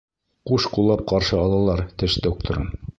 Ҡуш ҡуллап ҡаршы алалар теш докторын.